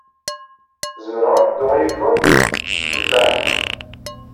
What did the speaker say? Zemreɣ ad dduɣ yid-went? Iban!